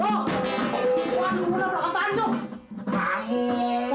aduh apaan itu